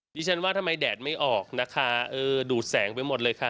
ดิฉันว่าทำไมแดดไม่ออกนะคะเออดูดแสงไปหมดเลยค่ะ